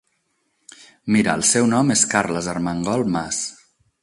Mira el seu nom és Carles Armengol Mas.